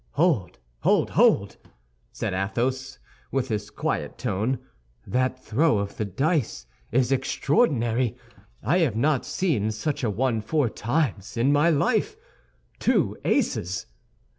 "Hold, hold, hold!" said Athos, wit his quiet tone; "that throw of the dice is extraordinary. I have not seen such a one four times in my life. Two aces!"